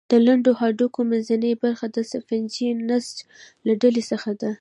د لنډو هډوکو منځنۍ برخه د سفنجي نسج له ډلې څخه ده.